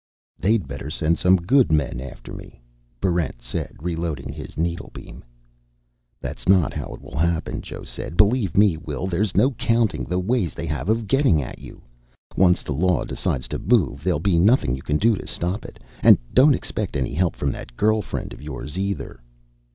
"They'd better send some good men after me," Barrent said, reloading his needlebeam. "That's not how it'll happen," Joe said. "Believe me, Will, there's no counting the ways they have of getting you. Once the law decides to move, there'll be nothing you can do to stop it. And don't expect any help from that girl friend of yours, either."